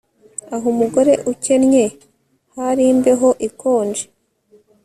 Ah Umugore ukennye hari imbeho ikonje